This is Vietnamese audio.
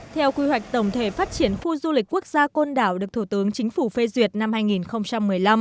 theo quy hoạch tổng thể phát triển khu du lịch quốc gia côn đảo được thủ tướng chính phủ phê duyệt năm hai nghìn một mươi năm